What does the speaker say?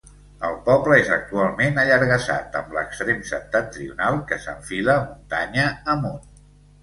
El poble és actualment allargassat, amb l'extrem septentrional que s'enfila muntanya amunt.